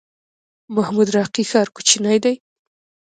محمود راقي ښار کوچنی دی؟